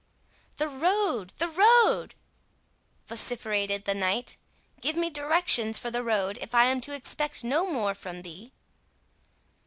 "The road—the road!" vociferated the knight, "give me directions for the road, if I am to expect no more from thee."